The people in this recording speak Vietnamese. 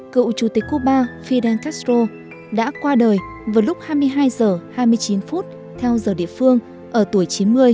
cựu chủ tịch cuba fidel castro đã qua đời vào lúc hai mươi hai h hai mươi chín theo giờ địa phương ở tuổi chín mươi